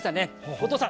後藤さん